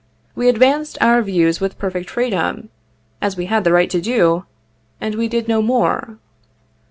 We advanced our views with perfect freedom, as we had the right to do, and we did no more.